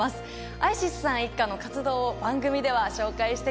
アイシスさん一家の活動を番組では紹介してきました。